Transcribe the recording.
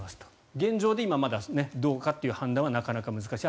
現状で今はまだどうかという判断はなかなか難しい。